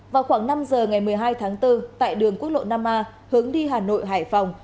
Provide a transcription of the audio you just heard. vào khoảng năm giờ ngày một mươi hai tháng bốn tại đường quốc lộ năm a hướng đi hà nội hải phòng